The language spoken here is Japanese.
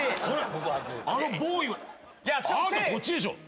あのボーイはあなたこっちでしょ。